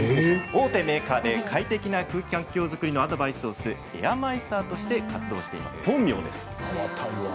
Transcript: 大手メーカーで快適な空気環境作りのアドバイスをするエアマイスターとして活動しています。